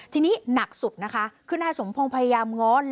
ทีนี้หนักสุดนะคะคือนายสมพงศ์พยายามง้อน